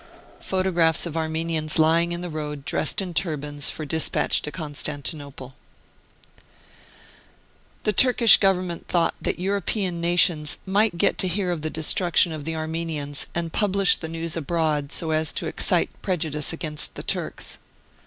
PHOTOGRAPHS OF ARMENIANS lying in the road, dressed in turbans, for despatch to Constantinople. The Turkish Government thought that European nations might get to hear of the destruction of the Armenians and publish the news abroad so a$ to excite prejudice against the Turks.